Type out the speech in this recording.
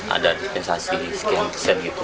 ada dispensasi sekian persen gitu